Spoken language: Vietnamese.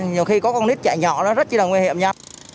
nhiều khi có con nít chạy nhỏ đó rất là nguy hiểm nha